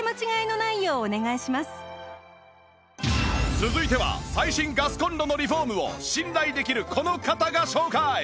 続いては最新ガスコンロのリフォームを信頼できるこの方が紹介